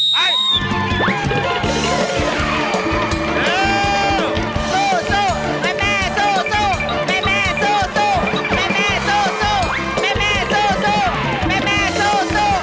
สู้สู้แม่แม่สู้สู้